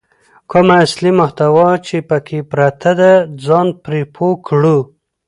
کومه اصلي محتوا چې پکې پرته ده ځان پرې پوه کړو.